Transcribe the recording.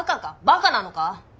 バカなのか？